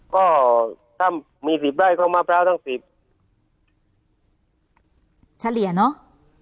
ก็ถ้ามีสิบไร่ก็มะพร้าวทั้งสิบเฉลี่ยเนอะ